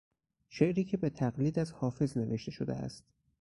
شعری که به تقلید از حافظ نوشته شده است